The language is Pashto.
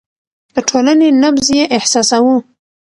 د ټولنې نبض يې احساساوه.